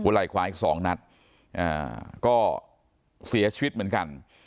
ไหล่ขวาอีกสองนัดก็เสียชีวิตเหมือนกัน